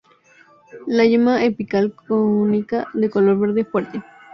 La yema apical cónica de color verde fuerte.